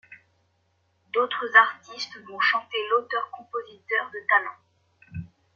D'autres artistes vont chanter l'auteur-compositeur de talent.